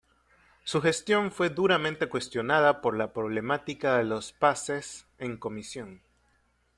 Su gestión fue duramente cuestionada por la problemática de los pases en comisión.